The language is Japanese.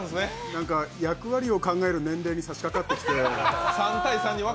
なんか役割を考える年齢にさしかかってきて。